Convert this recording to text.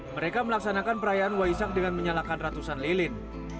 mereka melaksanakan perayaan waisak dengan menyalakan ratusan lilin